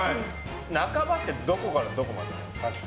半ばってどこからどこまで？